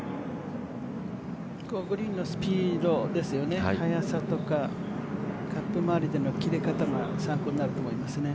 グリーンのスピードですよね、速さとかカップ周りでの切れ方が参考になると思いますね。